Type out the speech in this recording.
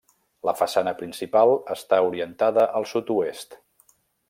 La façana principal està orientada al sud-oest.